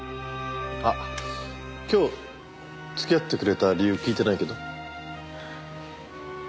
あっ今日付き合ってくれた理由聞いてないけど。